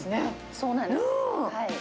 そうなんです。